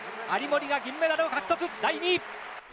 有森が銀メダルを獲得、第２位！